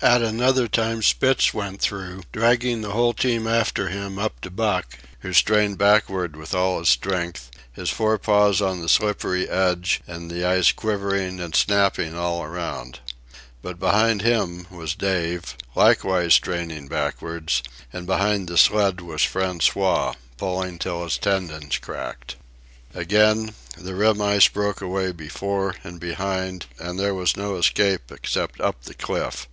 At another time Spitz went through, dragging the whole team after him up to Buck, who strained backward with all his strength, his fore paws on the slippery edge and the ice quivering and snapping all around. But behind him was Dave, likewise straining backward, and behind the sled was François, pulling till his tendons cracked. Again, the rim ice broke away before and behind, and there was no escape except up the cliff.